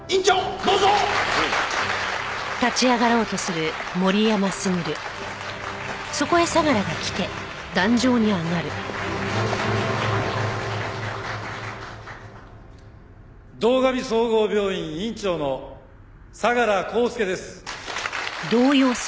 堂上総合病院院長の相良浩介です。